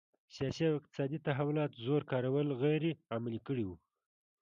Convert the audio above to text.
سیاسي او اقتصادي تحولات زور کارول غیر عملي کړي وو.